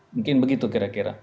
mungkin begitu kira kira